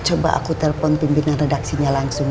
coba aku telepon pimpinan redaksinya langsung ya